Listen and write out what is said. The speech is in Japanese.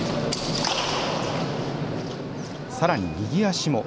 さらに右足も。